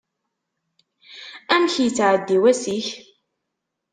Amek yettεeddi wass-ik?